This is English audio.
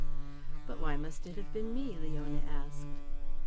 "But why must it have been me?" Leona asked.